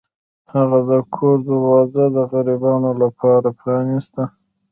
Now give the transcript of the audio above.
هغه د کور دروازه د غریبانو لپاره پرانیسته.